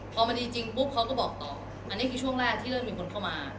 พอมันดีจริงปุ๊บเขาก็บอกต่ออันนี้คือช่วงแรกที่เริ่มมีคนเข้ามา